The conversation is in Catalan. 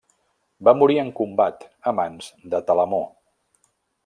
Va morir en combat a mans de Telamó.